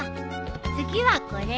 次はこれ。